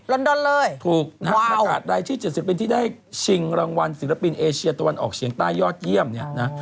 อนดอนเลยถูกนะฮะประกาศรายชื่อ๗๐ปีที่ได้ชิงรางวัลศิลปินเอเชียตะวันออกเฉียงใต้ยอดเยี่ยมเนี่ยนะ